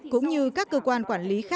cũng như các cơ quan quản lý